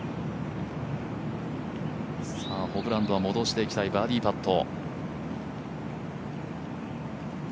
ホブランドは戻していきたいバーディーパット。